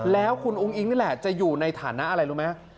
แล้วคุณอุ้งอิ๊งนี่แหละจะอยู่ในฐานะอะไรรู้ไหม